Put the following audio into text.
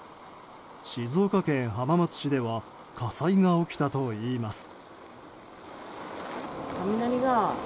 静岡県浜松市では火災が起きたといいます。